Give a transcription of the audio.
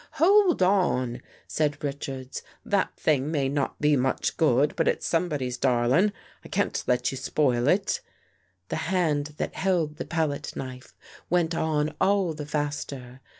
Hold on !" said Richards. " That thing may not be much good, but it's somebody's darlin'. I can't let you spoil it." The hand that held the palette knife went on all the faster.